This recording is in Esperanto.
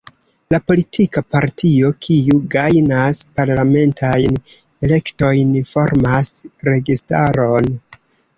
La politika partio, kiu gajnas parlamentajn elektojn, formas registaron.